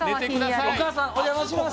お母さんお邪魔します。